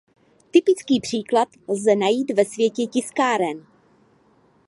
Typický příklad lze najít ve světě tiskáren.